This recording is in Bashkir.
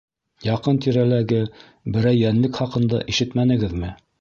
Яҡын-тирәләге берәй йәнлек хаҡында ишетмәнегеҙме?